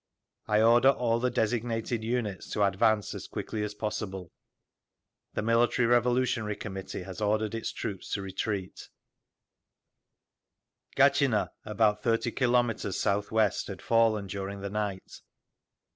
I order all the designated units to advance as quickly as possible. The Military Revolutionary Committee has ordered its troops to retreat…. Gatchina, about thirty kilometers south west, had fallen during the night.